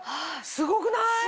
すごくない？